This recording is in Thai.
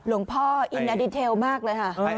หลวงพ่ออินอนาร์ดิเทลมากเลยครับ